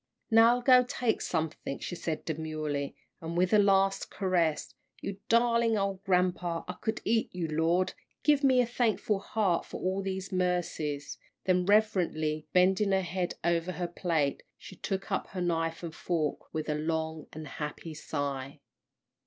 "Now, I'll go take something," she said, demurely, and, with a last caress, "you darlin' ole grampa I could eat you Lord, give me a thankful heart for all these mercies," then, reverently bending her head over her plate, she took up her knife and fork with a long and happy sigh.